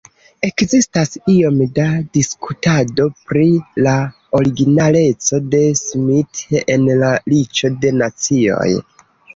Ekzistas iom da diskutado pri la originaleco de Smith en La Riĉo de Nacioj.